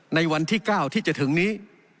ในวันที่๙ที่จะถึงนี้